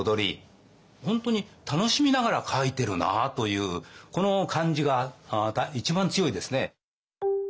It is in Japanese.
本当に楽しみながら描いてるなというこの感じが一番強いですね。